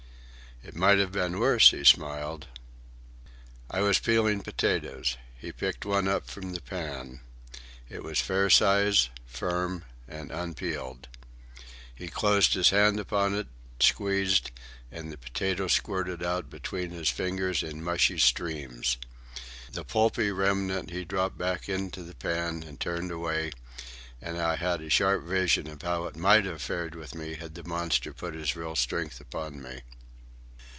"It might have been worse," he smiled. I was peeling potatoes. He picked one up from the pan. It was fair sized, firm, and unpeeled. He closed his hand upon it, squeezed, and the potato squirted out between his fingers in mushy streams. The pulpy remnant he dropped back into the pan and turned away, and I had a sharp vision of how it might have fared with me had the monster put his real strength upon me.